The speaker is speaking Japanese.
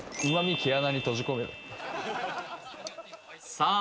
さあ